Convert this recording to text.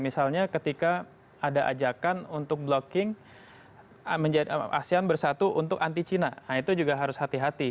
misalnya ketika ada ajakan untuk blocking asean bersatu untuk anti cina itu juga harus hati hati